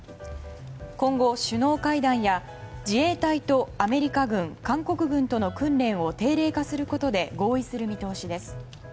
今後、首脳会談や自衛隊とアメリカ軍、韓国軍との訓練を定例化することで合意する見通しです。